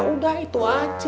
udah itu aja